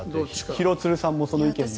廣津留さんもその意見に？